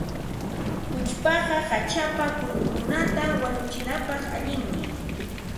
Uchpaqa hachapa kurunkunata wanuchinapaq allinmi.